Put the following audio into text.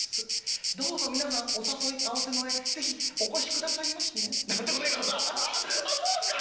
どうぞ皆さんお誘い合わせの上是非お越しくださいましね』なんてこと言うからさ『あっそうっすか？